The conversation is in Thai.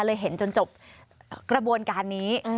เห็นจนจบกระบวนการนี้